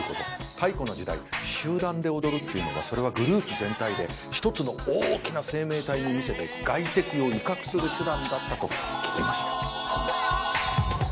太古の時代集団で踊るっていうのはそれはグループ全体で一つの大きな生命体に見せて外敵を威嚇する手段だったと聞きました。